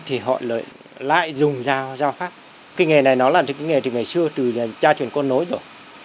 gọi lợi lại dùng dao dao phát cái nghề này nó là cái nghề từ ngày xưa từ gia truyền con nối rồi